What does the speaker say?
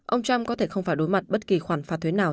ông trump có thể không phải đối mặt bất kỳ khoản phạt thuế nào